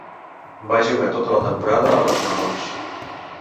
Va jugar tota la temporada a les menors.